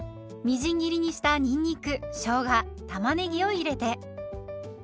みじん切りにしたにんにくしょうがたまねぎを入れて。